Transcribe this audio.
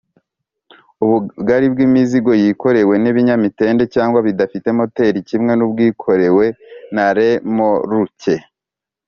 ubugali bw’imizigo yikorewe n’ibinyamitende cg bidafite moteri kimwe nubwikorewe na remoruke